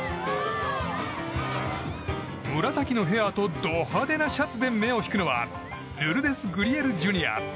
紫のヘアとド派手なシャツで目を引くのはルルデス・グリエルＪｒ．。